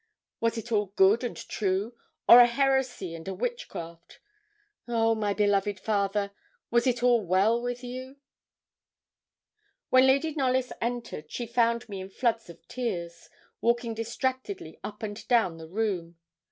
Was it all good and true, or a heresy and a witchcraft? Oh, my beloved father! was it all well with you? When Lady Knollys entered, she found me in floods of tears, walking distractedly up and down the room.